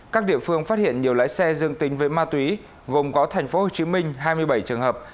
các địa phương phát hiện nhiều lái xe dương tính với ma túy gồm có thành phố hồ chí minh hai mươi bảy trường hợp